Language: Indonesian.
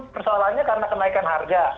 persoalannya karena kenaikan harga